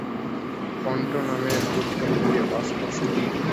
পন্টো নামের ব্যুৎপত্তি অস্পষ্ট।